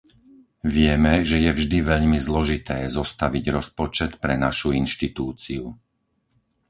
Vieme, že je vždy veľmi zložité zostaviť rozpočet pre našu inštitúciu.